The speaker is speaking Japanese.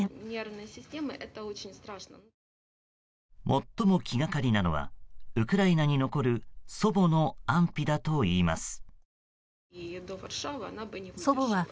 最も気がかりなのはウクライナに残る祖母の安否だといいます。